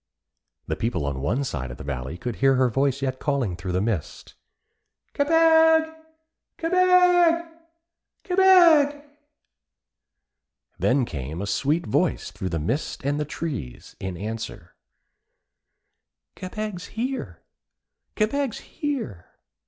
The people on one side of the valley could hear her voice yet calling through the mist: 'Kebeg! Kebeg! Kebeg!' Then came a little sweet voice through the mist and the trees in answer: 'Kebeg's here! Kebeg's here!'